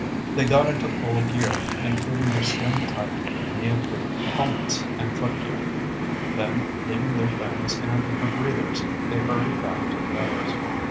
They got into full gear, including their skin tight neoprene helmets and footgear. Then, leaving their fins and rebreathers, they hurried back to the others.